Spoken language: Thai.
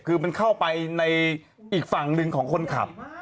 คือมันเข้าไปในเหล่านิดหนึ่งของคนขับ